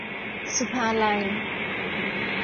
ศุภาลัย